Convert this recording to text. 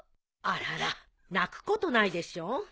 あらら泣くことないでしょ。